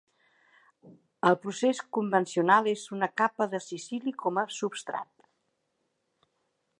El procés convencional és una capa de silici com a substrat.